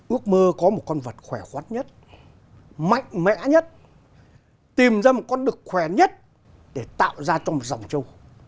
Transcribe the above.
ước mơ có một con vật khỏe khoát nhất mạnh mẽ nhất tìm ra một con đực khỏe nhất để tạo ra trong một dòng trâu